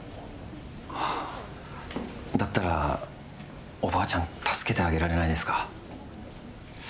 だったら、おばあちゃん、助けてあげられないですか？